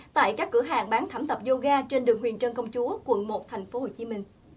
tại các cửa hàng bán thảm tập yoga trên đường huyền trân công chúa quận một tp hcm